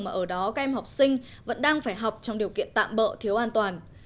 mà ở đó các em học sinh vẫn đang phải học trong điều kiện tạm bỡ thiếu an toàn